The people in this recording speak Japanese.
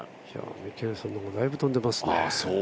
ミケルソンの方がだいぶ飛んでいますね。